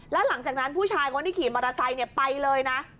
แล้วหลังจากนั้นผู้ชายคนที่ขี่มอเตอร์ไซค์ไปเลยนะ